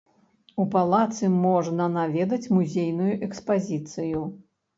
У палацы можна наведаць музейную экспазіцыю.